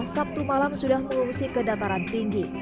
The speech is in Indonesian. sabtu malam sudah mengungsi ke dataran tinggi